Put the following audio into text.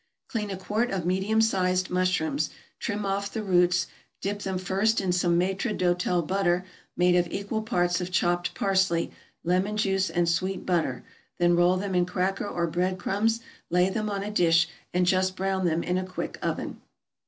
= Clean a quart of medium sized mushrooms, trim off the roots, dip them first in some maître d'hotel butter made of equal parts of chopped parsley, lemon juice, and sweet butter, then roll them in cracker or bread crumbs, lay them on a dish, and just brown them in a quick oven.